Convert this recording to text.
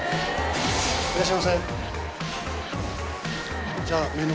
いらっしゃいませ。